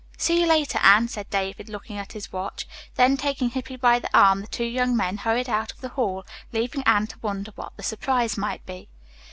"See you later, Anne," said David, looking at his watch. Then taking Hippy by the arm the two young men hurried out of the hall, leaving Anne to wonder what the surprise might be.